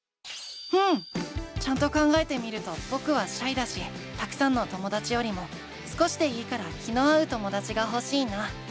うん！ちゃんと考えてみるとぼくはシャイだしたくさんのともだちよりも少しでいいから気の合うともだちがほしいな。